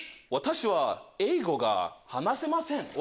「私は英語が話せません」